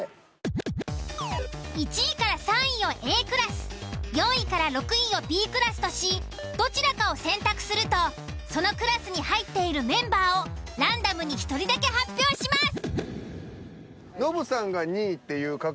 １位３位をＡクラス４位６位をＢクラスとしどちらかを選択するとそのクラスに入っているメンバーをランダムに１人だけ発表します。